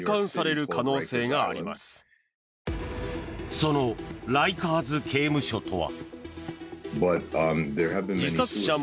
そのライカーズ刑務所とは。